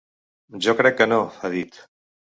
Jo crec que no, ha dit.